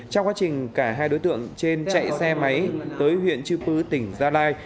trong quá trình cả hai đối tượng trên chạy xe máy tới huyện chư pư tỉnh gia lai